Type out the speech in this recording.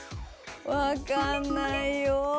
わかんないよ。